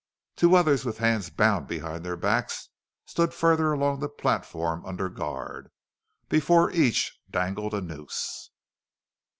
Two others with hands bound behind their backs stood farther along the platform under guard. Before each dangled a noose.